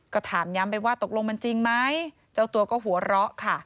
ก็ถามย้ำไปว่าตกลงมันจริงไหมเจ้าตัวก็หัวเราะค่ะ